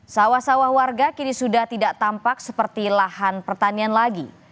sawah sawah warga kini sudah tidak tampak seperti lahan pertanian lagi